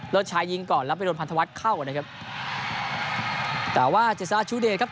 ชายยิงก่อนแล้วไปโดนพันธวัฒน์เข้านะครับแต่ว่าเจษฎาชูเดชครับ